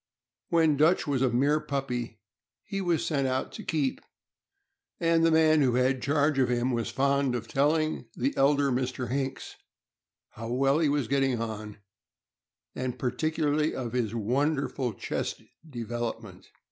When Dutch was a mere puppy he was sent out to keep, and the man who had charge of him was fond of telling the eld r Mr. Hinks how well he was getting on, and particu larly of his wonderful chest development.